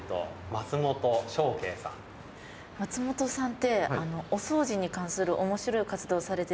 松本さんっておそうじに関する面白い活動をされてるって聞いたんですけど。